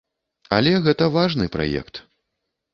Але гэта важны праект.